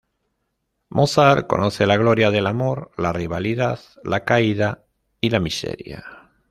Mozart conoce la gloria del amor, la rivalidad, la caída y la miseria.